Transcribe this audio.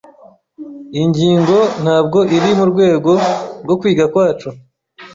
Iyi ngingo ntabwo iri murwego rwo kwiga kwacu.